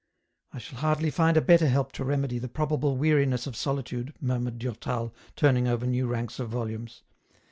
" I shall hardly find a better help to remedy the probable weariness of solitude," murmured Durtal, turning over new ranks of volumes.